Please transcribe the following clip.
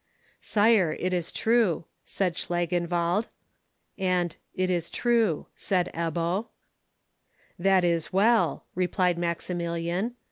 "Sire, it is true," said Schlangenwald; and "It is true," said Ebbo. "That is well," replied Maximilian.